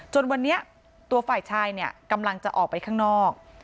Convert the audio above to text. จนวันนี้ตัวฝ่ายชายเนี่ยกำลังจะออกไปข้างนอก